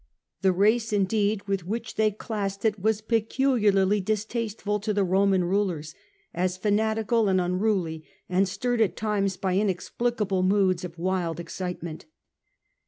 The race indeed with jlwrii? which they classed it was peculiarly distasteful sect, and to the Roman rulers, as fanatical and unruly, unUis and stirred at times by inexplicable moods of i wild excitement.